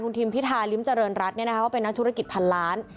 ทิมพิธาริมเจริญรัฐก็เป็นนักธุรกิจพันล้าน